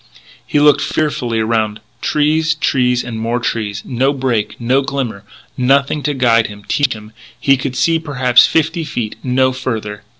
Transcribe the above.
He looked fearfully around: trees, trees, and more trees. No break, no glimmer, nothing to guide him, teach him. He could see, perhaps, fifty feet; no further.